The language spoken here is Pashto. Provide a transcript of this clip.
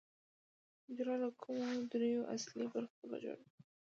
حجره له کومو درېیو اصلي برخو څخه جوړه ده